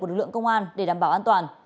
của lực lượng công an để đảm bảo an toàn